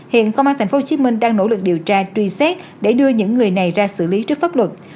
hiện công an tp hcm đang nỗ lực điều tra truy xét để đưa những người này ra xử lý trước pháp luật